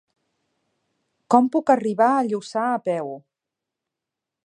Com puc arribar a Lluçà a peu?